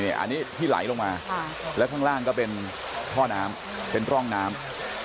อันนี้ที่ไหลลงมาแล้วข้างล่างก็เป็นท่อน้ำเป็นร่องน้ำ